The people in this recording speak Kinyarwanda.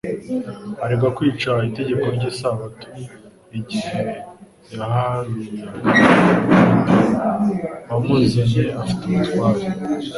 aregwa kwica itegeko ry'isabato. Igihe yaharuyaga umurimo wamuzanye afite ubutware.